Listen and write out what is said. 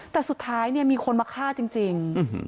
แต่สุดท้ายมีคนมาฆ่าจริง